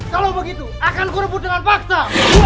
kalau begitu akan kurebut dengan paksa